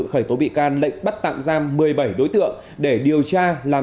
khởi tố bị can lệnh bắt tạm giam một mươi bảy đối tượng để điều tra làm